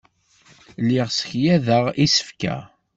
Lliɣ ssekyadeɣ isefka.